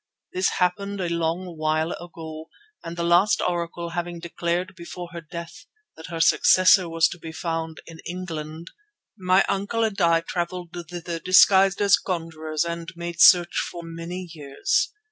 This happened a long while ago, and the last Oracle having declared before her death that her successor was to be found in England, my uncle and I travelled thither disguised as conjurers and made search for many years.